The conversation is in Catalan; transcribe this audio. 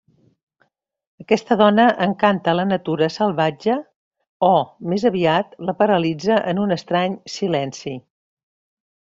Aquesta dona encanta la natura salvatge o, més aviat, la paralitza en un estrany silenci.